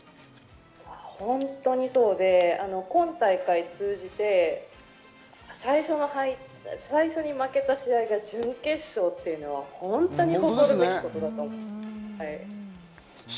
本当にそうで、今大会通じて最初に負けた試合が準決勝というのは本当に驚くべきことだと思います。